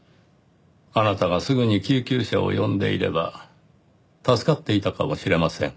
あなたがすぐに救急車を呼んでいれば助かっていたかもしれません。